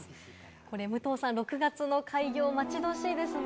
これ、武藤さん、６月の開業、待ち遠しいですね。